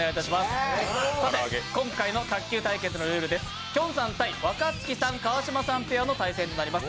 さて、今回の卓球対決のルールですきょんさん×若槻さん、川島さんペアの対決になります。